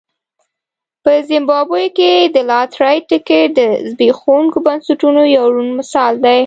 په زیمبابوې کې د لاټرۍ ټکټ د زبېښونکو بنسټونو یو روڼ مثال دی.